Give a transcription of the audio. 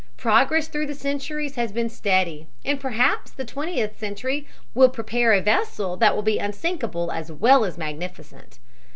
Progress through the centuries has been steady, and perhaps the twentieth century will prepare a vessel that will be unsinkable as well as magnificent.